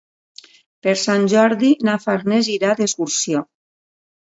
Per Sant Jordi na Farners irà d'excursió.